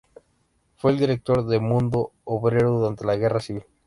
Fue el director de "Mundo Obrero" durante la Guerra Civil.